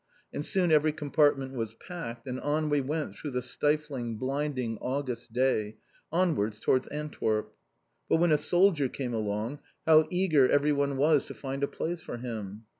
And soon every compartment was packed, and on we went through the stifling, blinding August day onwards towards Antwerp. But when a soldier came along, how eager everyone was to find a place for him!